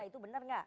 itu benar enggak